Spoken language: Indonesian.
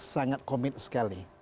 sangat komit sekali